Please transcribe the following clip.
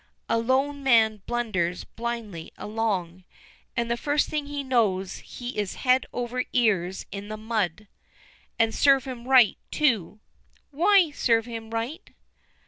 A lone man blunders blindly along, and the first thing he knows he is head over ears in the mud, and serve him right, too." "Why serve him right?"